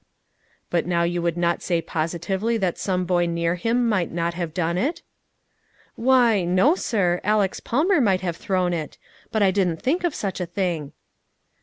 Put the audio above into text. "But now you would not say positively that some boy near him might not have done it?" "Why, no, sir. Alex Palmer might have thrown it; but I didn't think of such a thing."